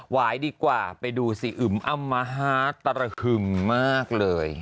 วายดีกว่าไปดูสิอึมอำมหาตรฮึมมากเลย